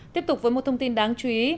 tiếp tục với một thông tin đáng chú ý